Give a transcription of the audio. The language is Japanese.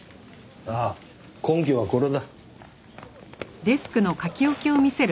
ああ根拠はこれだ。